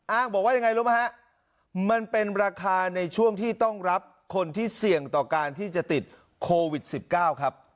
อ้างบอกว่ายังไงรู้ไหมฮะมันเป็นราคาในช่วงที่ต้องรับคนที่เสี่ยงต่อการที่จะติดโควิด๑๙ครับ